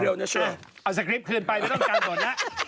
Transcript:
เอาสคริปต์เคลื่อนไปไม่ต้องการก่อนนะ